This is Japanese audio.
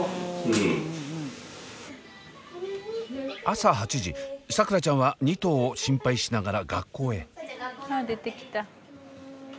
朝８時桜ちゃんは２頭を心配しながら学校へ。